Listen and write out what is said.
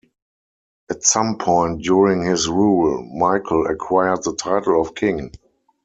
At some point during his rule, Michael acquired the title of King.